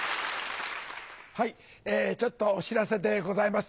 ちょっとお知らせでございます。